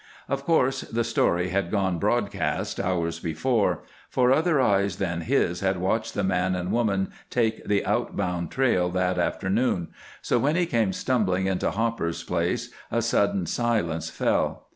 Of course the story had gone broadcast, hours before, for other eyes than his had watched the man and woman take the outbound trail that afternoon, so when he came stumbling into Hopper's place a sudden silence fell.